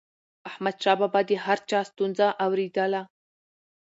احمدشاه بابا به د هر چا ستونزه اوريدله.